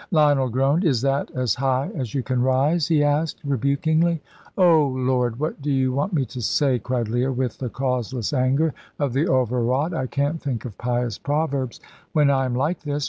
Lionel groaned. "Is that as high as you can rise?" he asked, rebukingly. "Oh, Lord, what do you want me to say?" cried Leah, with the causeless anger of the overwrought. "I can't think of pious proverbs when I am like this.